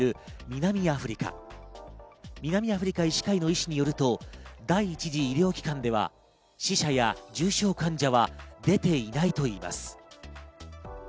南アフリカ医師会の医師によると第一次医療機関では、死者や重症患者は出ていないと言います。